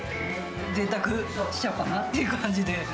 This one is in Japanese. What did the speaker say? ぜいたくしちゃおうかなっていう感じで。